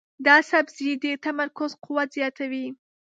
دا سبزی د تمرکز قوت زیاتوي.